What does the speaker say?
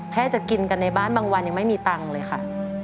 แค่จะกินกันในบ้านบางวันยังไม่มีตังค์เลยค่ะ